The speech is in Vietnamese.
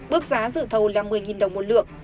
bước giá dự thầu là một mươi đồng một lượng